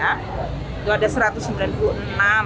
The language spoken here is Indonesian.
itu ada satu ratus sembilan puluh enam